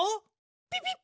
ピピッ！